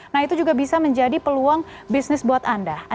nah itu juga bisa menjadi peluang untuk anak anak yang memiliki kelas kerajinan tangan